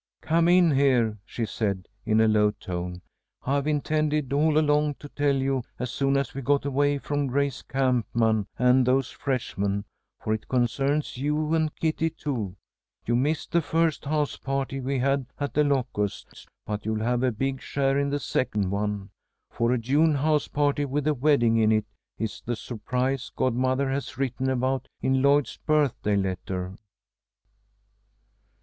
"Come in here," she said, in a low tone. "I've intended all along to tell you as soon as we got away from Grace Campman and those freshmen, for it concerns you and Kitty, too. You missed the first house party we had at The Locusts, but you'll have a big share in the second one. For a June house party with a wedding in it is the 'surprise' godmother has written about in Lloyd's birthday letter."